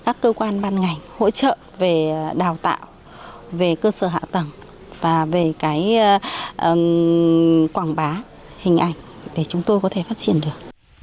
các cơ quan ban ngành hỗ trợ về đào tạo về cơ sở hạ tầng và về cái quảng bá hình ảnh để chúng tôi có thể phát triển được